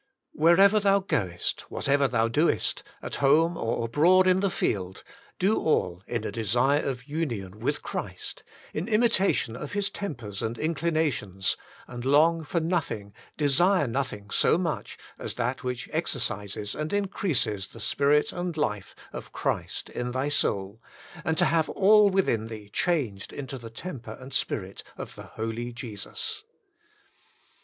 Wherever thou goest, whatever thou doest, at home or abroad in the field, do all in a desire of union with Christ, in imitation of His tempers and in clinations, and long for nothing, desire nothing so much, as that which exercises and increases the spirit and life of Christ in thy soul, and to have all within thee changed into the temper and spirit of the holy Jesus.